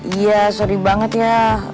iya sorry banget ya